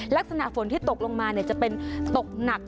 ลักษณะฝนที่ตกลงมาจะเป็นตกหนัก